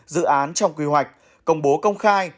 dự án trong quy hoạch công bố công khai